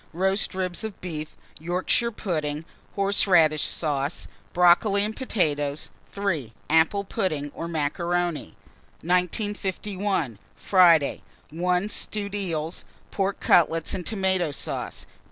Roast ribs of beef, Yorkshire pudding, horseradish sauce, brocoli and potatoes. 3. Apple pudding or macaroni. 1951. Friday. 1. Stewed eels, pork cutlets and tomato sauce.